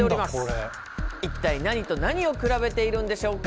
一体何と何を比べているんでしょうか？